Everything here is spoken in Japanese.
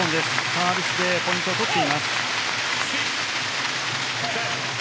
サービスでポイントを取っています。